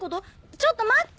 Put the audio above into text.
ちょっと待って！